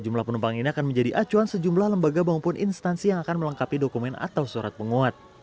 jumlah penumpang ini akan menjadi acuan sejumlah lembaga maupun instansi yang akan melengkapi dokumen atau surat penguat